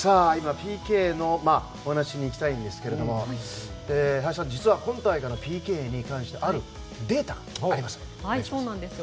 ＰＫのお話に行きたいんですけども林さん、実は今大会のＰＫに関してはあるデータがあるんですよね。